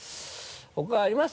他あります？